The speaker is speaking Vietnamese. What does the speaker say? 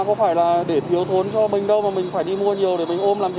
không phải là để thiếu thốn cho mình đâu và mình phải đi mua nhiều để mình ôm làm gì